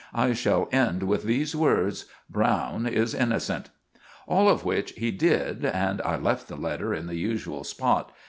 I shall end with these words: 'Browne is innosent.'" All of which he did, and I left the letter in the usual spot.